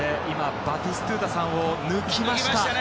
バティストゥータさんを今、抜きました。